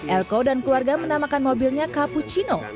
elko dan keluarga menamakan mobilnya cappuccino